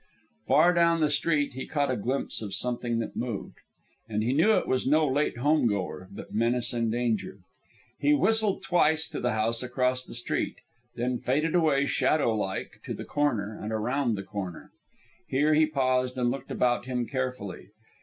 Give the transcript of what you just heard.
Far down the street he caught a glimpse of something that moved. And he knew it was no late home goer, but menace and danger. He whistled twice to the house across the street, then faded away shadow like to the corner and around the corner. Here he paused and looked about him carefully.